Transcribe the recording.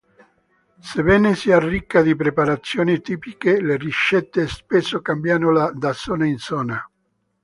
Sebbene sia ricca di preparazioni tipiche, le ricette spesso cambiano da zona in zona.